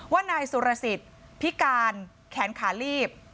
นายสุรสิทธิ์พิการแขนขาลีบ